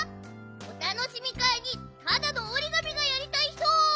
おたのしみかいにただのおりがみがやりたいひと！